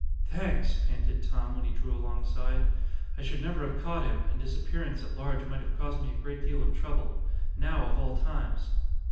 "Thanks," panted Tom, when he drew alongside. "I should never have caught him, and his appearance at large might have caused me a great deal of trouble now of all times."